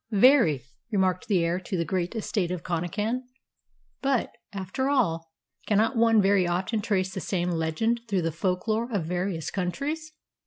"Very," remarked the heir to the great estate of Connachan. "But, after all, cannot one very often trace the same legend through the folklore of various countries?